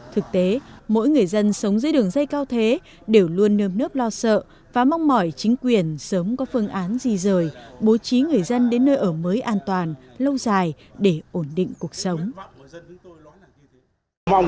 thực tế mỗi người dân sống dưới đường dây cao thế đều luôn nơm nớp lo sợ và mong mỏi chính quyền sớm có phương án di rời bố trí người dân đến nơi ở mới an toàn lâu dài để ổn định cuộc sống